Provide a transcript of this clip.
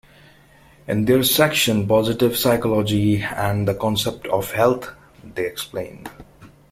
In their section, "Positive Psychology and the Concept of Health", they explain.